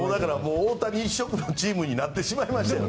大谷一色のチームになってしまいましたよね。